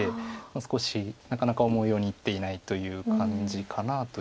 少しなかなか思うようにいっていないという感じかなという。